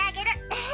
え！？